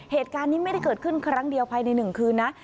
เหตุการณ์นี้ไม่ได้เกิดขึ้นครั้งเดียวภายใน๑คืนนะ